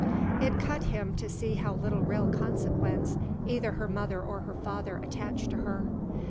It cut him to see how little real consequence either her mother or her father attached to her.